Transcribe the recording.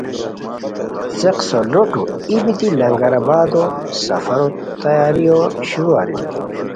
څیق سو لوٹو ای بیتی لنگر آبادو سفرو تیاریو شروع ارینی